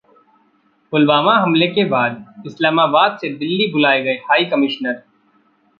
पुलवामा हमले के बाद इस्लामाबाद से दिल्ली बुलाए गए हाई कमिश्नर